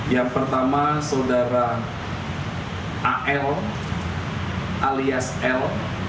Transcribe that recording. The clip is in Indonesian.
yang pertama saudara al alias l